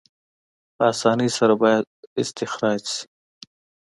په اسانۍ سره باید استخراج شي.